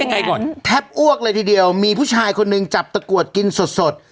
ไงก่อนแทบอ้วกเลยทีเดียวมีผู้ชายคนหนึ่งจับตะกรวดกินสดสด